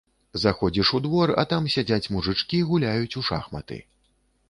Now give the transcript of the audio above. Заходзіш у двор, а там сядзяць мужычкі, гуляюць у шахматы.